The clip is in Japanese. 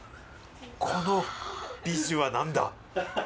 このビジュは何だ！？